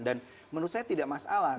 dan menurut saya tidak masalah